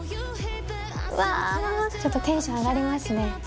うわぁちょっとテンション上がりますね。